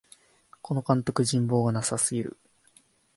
この監督、人望がなさすぎる